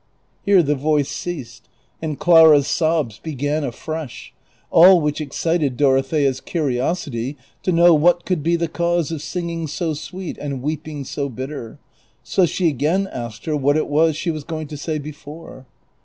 Here the voice ceased and Clara's sobs began afresh, all which excited Dorothea's curiosity to know what could be the cause of singing so sweet and weeping so bitter, so she again asked her what it was she was going to say before.